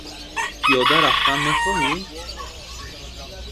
Пиёда рафтан мехоҳӣ?